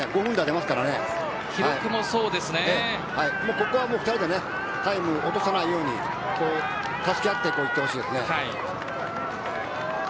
ここは２人でタイムを落とさないように助け合ってほしいです。